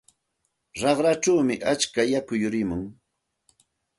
Raqrachawmi atska yaku yurimun.